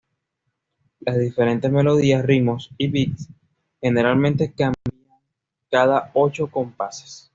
Las diferentes melodías, ritmos y beats generalmente cambian cada ocho compases.